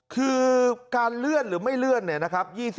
คือการเลื่อนหรือไม่เลื่อนเนี่ยนะครับ